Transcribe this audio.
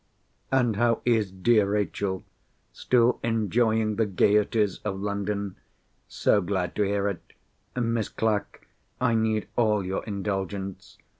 And how is dear Rachel? Still enjoying the gaieties of London? So glad to hear it! Miss Clack, I need all your indulgence.